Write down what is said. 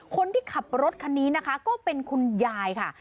คนที่ขับรถคันนี้นะคะก็เป็นคุณยายค่ะ